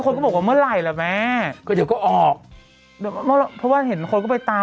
ก็บอกว่าเมื่อไหร่ล่ะแม่ก็เดี๋ยวก็ออกเดี๋ยวเพราะว่าเห็นคนก็ไปตาม